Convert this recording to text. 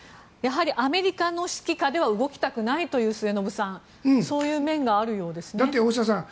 やはりアメリカの指揮下では動きたくないという末延さん、そういう面があるようですね。